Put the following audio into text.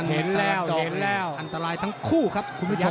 เห็นแล้วทั้งครู่ครับคุณผู้ชม